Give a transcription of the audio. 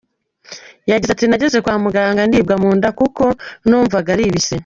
Yagize ati ”Nageze kwa muganga ndibwa mu nda kuko numvaga ari ibise.